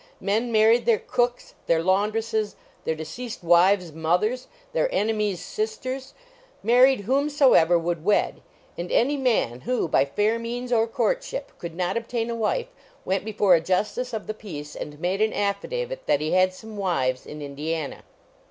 Men married their cooks, their laundresses, their deceased wives' mothers, their enemies' sisters married whomsoever would wed; and any man who, by fair means or courtship, could not obtain a wife went before a justice of the peace and made an affidavit that he had some wives in Indiana.